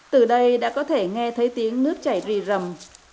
từ đây đã có thể nghe thấy tiếng nước chảy rì rầm